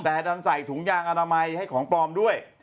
แต่ดันใส่ถุงยางอนามัยให้ของปลอมด้วย